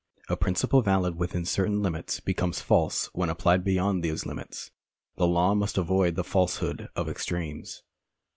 A principle valid within certain limits becomes false when applied beyond these limits. The law must avoid the falsehood of extremes.